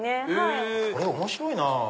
これ面白いなぁ。